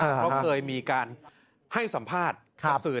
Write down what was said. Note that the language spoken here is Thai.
เพราะเคยมีการให้สัมภาษณ์กับสื่อ